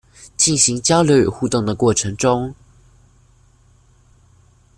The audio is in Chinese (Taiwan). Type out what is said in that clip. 進行交流與互動的過程中